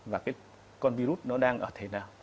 và cái con virus nó đang ở thể nào